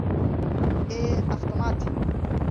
— Э-э, автомат!..